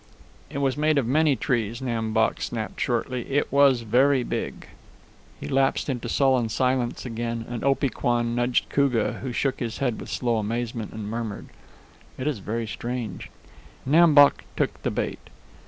"It was made of many trees," Nam Bok snapped shortly. "It was very big." He lapsed into sullen silence again, and Opee Kwan nudged Koogah, who shook his head with slow amazement and murmured, "It is very strange." Nam Bok took the bait.